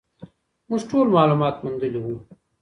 موږ ټول معلومات موندلي وو.